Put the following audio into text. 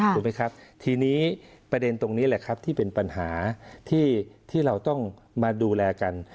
ถูกไหมครับทีนี้ประเด็นตรงนี้แหละครับที่เป็นปัญหาที่เราต้องมาดูแลกัน